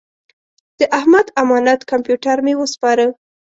د احمد امانت کمپیوټر مې وسپاره.